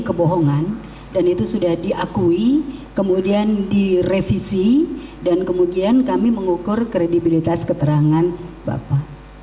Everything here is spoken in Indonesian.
kebohongan dan itu sudah diakui kemudian direvisi dan kemudian kami mengukur kredibilitas keterangan bapak